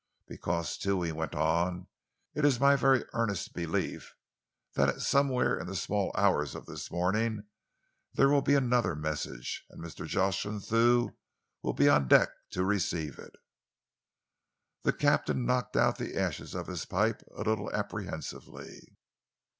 Because, too," he went on, "it is my very earnest belief that at somewhere in the small hours of this morning there will be another message, and Mr. Jocelyn Thew will be on deck to receive it." The captain knocked out the ashes of his pipe a little apprehensively.